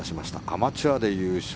アマチュアで優勝。